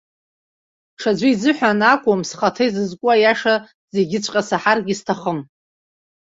Ҽаӡәы изыҳәан акәым, схаҭа исызку аиаша зегьыҵәҟьа саҳаргьы сҭахым.